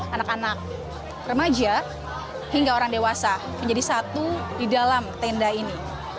anak anak remaja hingga orang dewasa menjadi satu di dalam tenda ini